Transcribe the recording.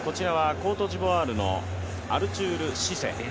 コートジボワールのアルチュール・シセです。